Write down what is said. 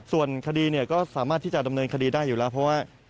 ส่วนคดีเนี่ยก็สามารถที่จะดำเนินคดีได้อยู่แล้วเพราะว่า